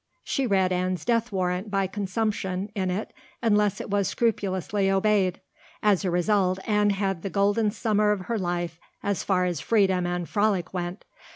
She read Anne's death warrant by consumption in it unless it was scrupulously obeyed. As a result, Anne had the golden summer of her life as far as freedom and frolic went.